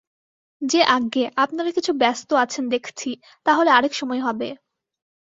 যে আজ্ঞে, আপনারা কিছু ব্যস্ত আছেন দেখছি, তা হলে আর-এক সময় হবে।